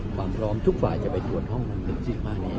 ความพร้อมทุกฝ่ายจะไปตรวจห้อง๑๕นี้